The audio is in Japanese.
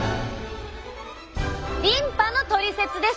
リンパのトリセツです！